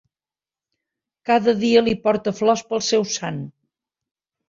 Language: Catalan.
Cada dia li porta flors pel seu sant.